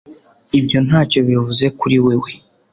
Ibyo ntacyo bivuze kuri wewe